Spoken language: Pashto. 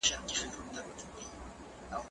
زه له سهاره تمرين کوم.